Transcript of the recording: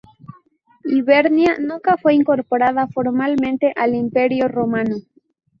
Hibernia nunca fue incorporada formalmente al Imperio romano.